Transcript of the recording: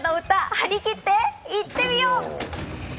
張り切っていってみよう！